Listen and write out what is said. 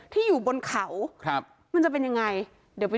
ที่อยู่บนเขามันจะเป็นอย่างไรค่ะค่ะ